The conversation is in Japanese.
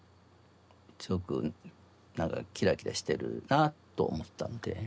すごく何かキラキラしてるなと思ったんで。